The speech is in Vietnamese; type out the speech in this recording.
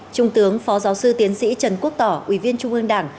trung tướng phó giáo sư tiến sĩ trần quốc tỏ ủy viên trung ương đảng